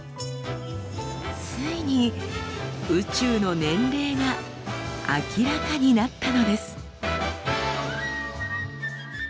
ついに宇宙の年齢が明らかになったのです。